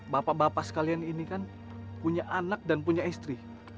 bapak bapak sekalian ini kan punya anak dan punya istri